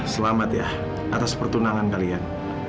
selamat ya atas pertunangan kalian